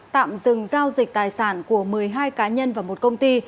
tạm dừng giao dịch tài sản của một mươi hai cá nhân và một công ty